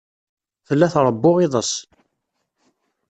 Tella tṛewwu iḍes.